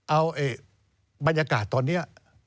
เอาบรรยากาศตอนนี้